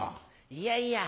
いやいや。